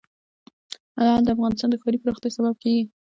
لعل د افغانستان د ښاري پراختیا سبب کېږي.